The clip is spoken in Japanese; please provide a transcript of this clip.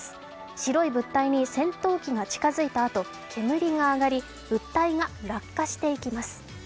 白い物体に戦闘機が近づいたあと煙が上がり、物体が落下していきます。